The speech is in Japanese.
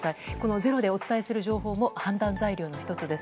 「ｚｅｒｏ」でお伝えする情報も判断材料の１つです。